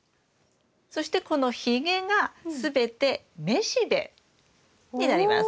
そしてこのひげが全て雌しべになります。